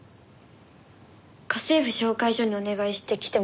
家政婦紹介所にお願いして来てもらったんですけど。